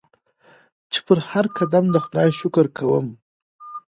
چي پر هرقدم د خدای شکر کومه